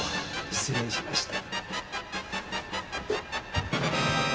失礼しました。